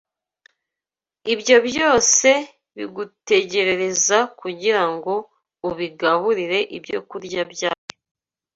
Ibyo byose bigutegerereza kugira ngo ubigaburire ibyokurya byayo